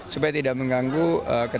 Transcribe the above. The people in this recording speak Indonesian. supaya tidak mengganggu ketentuan